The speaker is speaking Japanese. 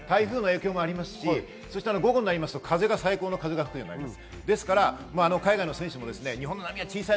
台風の影響もありますし、午後になりますと最高の風が吹いてまいります。